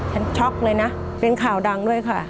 ช็อกเลยนะเป็นข่าวดังด้วยค่ะ